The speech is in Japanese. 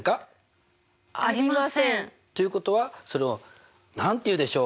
ありませんか？ということはそれを何て言うでしょう？